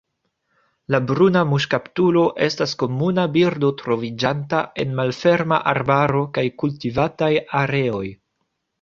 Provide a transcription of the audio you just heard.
La Bruna muŝkaptulo estas komuna birdo troviĝanta en malferma arbaro kaj kultivataj areoj.